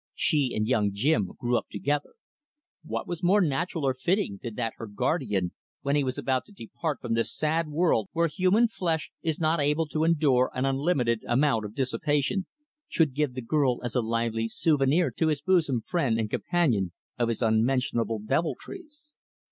She and young Jim grew up together. What was more natural or fitting than that her guardian when he was about to depart from this sad world where human flesh is not able to endure an unlimited amount of dissipation should give the girl as a lively souvenir to his bosom friend and companion of his unmentionable deviltries?